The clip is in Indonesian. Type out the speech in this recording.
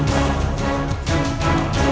kau kenapa ibu undah